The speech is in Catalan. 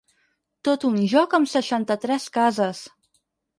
Tot un joc amb seixanta-tres cases.